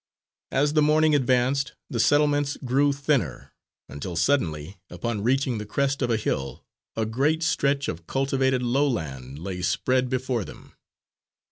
As the morning advanced, the settlements grew thinner, until suddenly, upon reaching the crest of a hill, a great stretch of cultivated lowland lay spread before them.